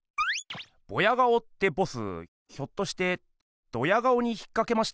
ボヤ顔ってボスひょっとしてドヤ顔に引っかけました？